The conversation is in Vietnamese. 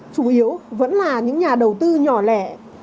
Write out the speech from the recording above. chủ yếu vẫn là những nhà đầu tư nhỏ lẻ